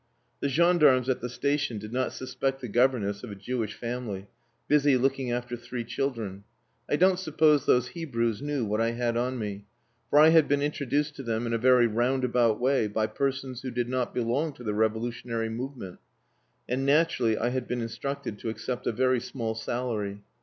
The gendarmes at the station did not suspect the governess of a Jewish family, busy looking after three children. I don't suppose those Hebrews knew what I had on me, for I had been introduced to them in a very roundabout way by persons who did not belong to the revolutionary movement, and naturally I had been instructed to accept a very small salary.